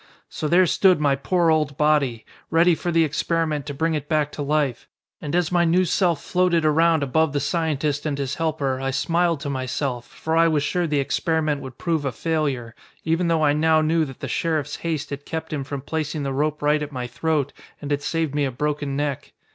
"So there stood my poor old body. Ready for the experiment to bring it back to life. And as my new self floated around above the scientist and his helper I smiled to myself, for I was sure the experiment would prove a failure, even though I now knew that the sheriff's haste had kept him from placing the rope right at my throat and had saved me a broken neck.